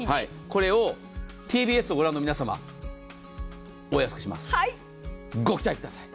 これをＴＢＳを御覧の皆様、お安くします、ご期待ください。